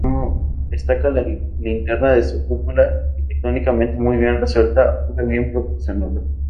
Destaca la linterna de su cúpula, arquitectónicamente muy bien resuelta, obra bien proporcionada.